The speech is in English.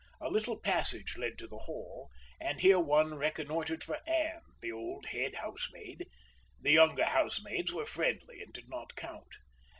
A little passage led to the hall, and here one reconnoitered for Ann, the old head housemaid—the younger housemaids were friendly and did not count.